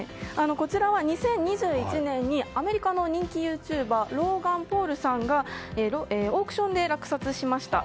こちらは２０２１年アメリカの人気ユーチューバーローガン・ポールさんがオークションで落札しました。